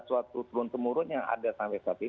bergantung kemurun yang ada sampai saat ini